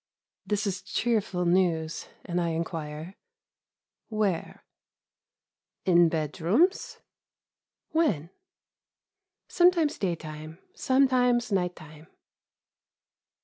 This is cheerful news, and I inquire: "Where?" "In bedrooms." "When?" "Sometimes daytime, sometimes night time."